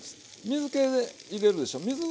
水け入れるでしょう。